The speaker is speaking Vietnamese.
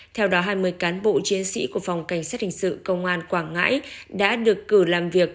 theo đó hai mươi cán bộ chiến sĩ của phòng cảnh sát hình sự công an quảng ngãi đã được cử làm việc